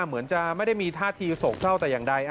เหมือนจะไม่ได้มีท่าทีโศกเศร้าแต่อย่างใด